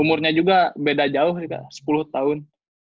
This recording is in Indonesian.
umurnya juga beda jauh sepuluh tahun